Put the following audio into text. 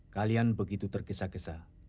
kalian begitu tergesa gesa